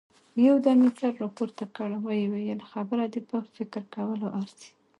يودم يې سر پورته کړ، ويې ويل: خبره دې په فکر کولو ارزي.